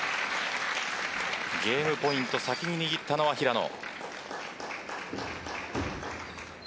ゲームポイント先に握ったのは平野。